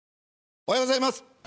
おはようございます。